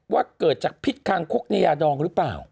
ว่าเกิดจากพิษคางคกในยาดองหรือเปล่า